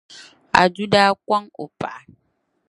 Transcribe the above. Adu daa kɔŋ o paɣa